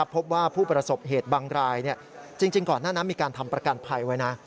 พบว่าผู้ประสบเหตุบางรายจริงก่อนหน้านั้นมีการทำประกันภัยไว้นะ